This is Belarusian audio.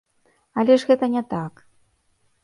Але ж гэта не так.